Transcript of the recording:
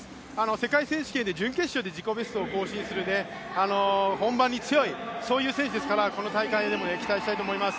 世界選手権で準決勝で自己ベストを更新する本番強い選手ですから、この大会も期待したいと思います。